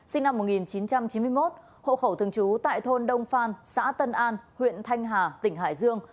sinh năm một nghìn chín trăm chín mươi một hộ khẩu thường trú tại thôn đông phan xã tân an huyện thanh hà tỉnh hải dương